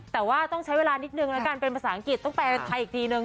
แต่ว่าต้องใช้เวลานิดนึงแล้วกันเป็นภาษาอังกฤษต้องไปไทยอีกทีนึง